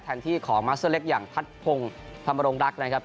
แทนที่ขอมาเซอร์เล็กอย่างทัศพงธรรมรงรักนะครับ